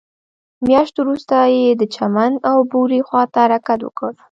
مياشت وروسته يې د چمن او بوري خواته حرکت وکړ.